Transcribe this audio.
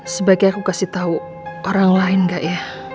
sebaiknya aku kasih tahu orang lain gak ya